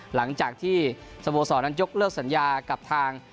หลังจากที่สโมสรนั้นยกเลิกสัญญากับทาง